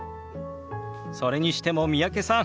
それにしても三宅さん